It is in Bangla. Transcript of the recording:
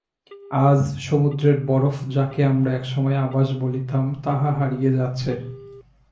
আজ, সমুদ্রের বরফ যাকে আমরা একসময় আবাস বলতাম তা হারিয়ে যাচ্ছে।